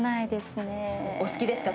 お好きですか？